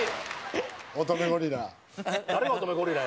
「乙女ゴリラ」